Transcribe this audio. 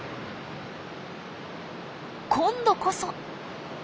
今度こそ。